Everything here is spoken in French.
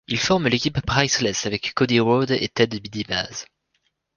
Ils forment l'équipe Priceless avec Cody Rhodes et Ted DiBiase.